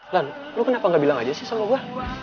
lan lo kenapa gak bilang aja sih sama gue